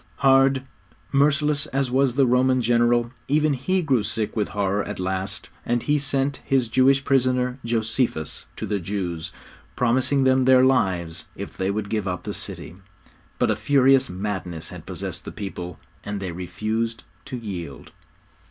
Hard, merciless as was the Roman general, even he grew sick with horror at last, and he sent his Jewish prisoner, Josephus, to the Jews, promising them their lives if they would give up the city. But a furious madness had possessed the people, and they refused to yield.